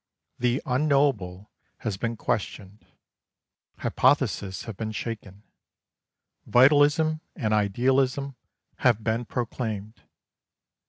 The unknowable has been questioned: hypotheses have been shaken: vitalism and idealism have been proclaimed.